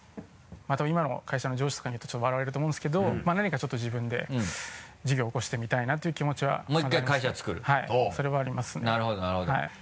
また今の会社の上司とかに言うと笑われると思うんですけど何かちょっと自分で事業を起こしてみたいなという気持ちはありますね。